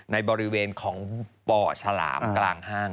ในบริเวณของป่อฉลามกลางห้าง